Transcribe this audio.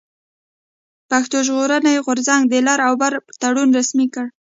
پښتون ژغورني غورځنګ د لر او بر تړون رسمي کړ.